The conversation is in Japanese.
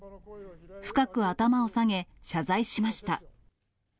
深く頭を下げ、謝罪しました。